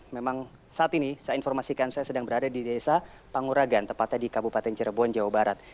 memang saat ini saya informasikan saya sedang berada di desa panguragan tepatnya di kabupaten cirebon jawa barat